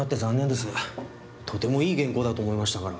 とてもいい原稿だと思いましたから。